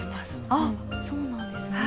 あっそうなんですね。